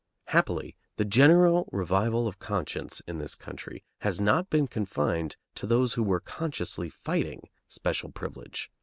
Happily, the general revival of conscience in this country has not been confined to those who were consciously fighting special privilege.